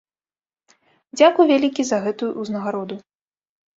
Дзякуй вялікі за гэтую ўзнагароду.